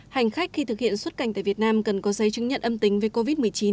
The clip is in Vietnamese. hành khách khi thực hiện xuất cảnh tại việt nam cần có giấy chứng nhận âm tính với covid một mươi chín